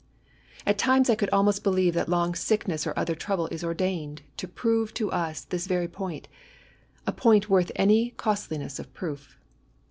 At times I could almost believe tiiat long sickness or other trouble is ordained to prove to us this very point — ^a point worth any costliness of proof.